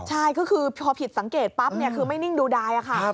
ใช่ก็คือพอผิดสังเกตปั๊บคือไม่นิ่งดูดายค่ะ